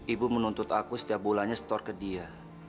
ibu menuntut aku setiap bulannya store ke dia